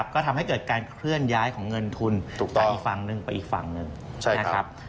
ก็ทำให้เกิดการเคลื่อนย้ายของเงินทุนต่ออีกฝั่งหนึ่งไปอีกฝั่งหนึ่งนะครับ